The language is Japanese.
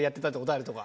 あれとか。